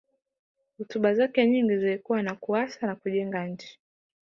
hotuba zake nyingi zilikuwa za kuasa na kujenga nchi